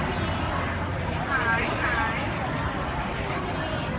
มันไม่ใช่ของเราหรอลูก